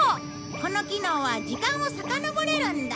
この機能は時間をさかのぼれるんだ。